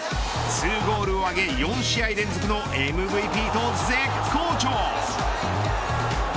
２ゴールを挙げ４試合連続のＭＶＰと絶好調。